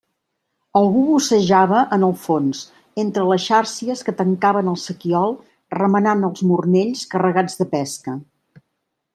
Algú bussejava en el fons, entre les xàrcies que tancaven el sequiol, remenant els mornells carregats de pesca.